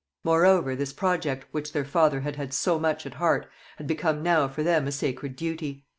Moreover, this project, which their father had had so much at heart, had become now for them a sacred duty.